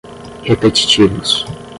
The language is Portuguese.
repetitivos